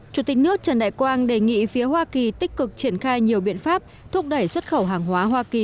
chủ tịch nước trần đại quang đề nghị phía hoa kỳ tích cực triển khai nhiều biện pháp thúc đẩy xuất khẩu hàng hóa hoa kỳ